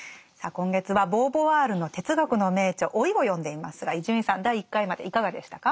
今月はボーヴォワールの哲学の名著「老い」を読んでいますが伊集院さん第１回までいかがでしたか？